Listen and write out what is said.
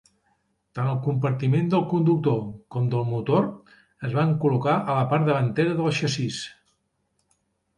Tant el compartiment del conductor com del motor es van col·locar a la part davantera del xassís.